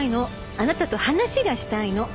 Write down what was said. あなたと話がしたいの。